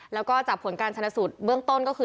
แล้วก็จากผลการชนะสูตรเบื้องต้นก็คือ